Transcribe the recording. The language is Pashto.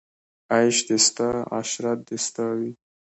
عیش دې ستا عشرت دې ستا وي